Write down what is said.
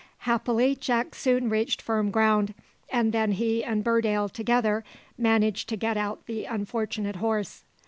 Happily, Jack soon reached firm ground, and then he and Burdale together managed to get out the unfortunate horse.